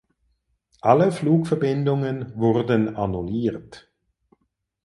Alle Flugverbindungen wurden annulliert.